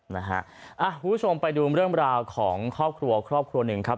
คุณผู้ชมไปดูเรื่องราวของครอบครัวครอบครัวหนึ่งครับ